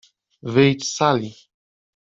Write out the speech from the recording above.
— Wyjdź z sali!